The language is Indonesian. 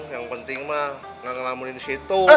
yang penting mah gak ngelamunin di situ